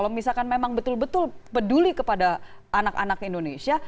kalau misalkan memang betul betul peduli kepada anak anak indonesia